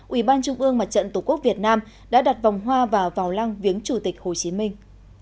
ủy ban trung ương mặt trận tổ quốc việt nam đã đặt vòng hoa và vào lăng viếng chủ tịch hồ chí minh